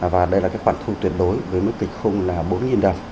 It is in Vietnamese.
và đây là cái khoản thu tuyệt đối với mức kịch khung là bốn đồng